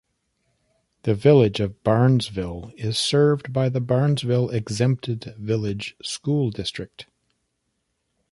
The village of Barnesville is served by the Barnesville Exempted Village School District.